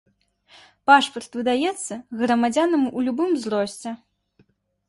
Пашпарт выдаецца грамадзянам у любым узросце.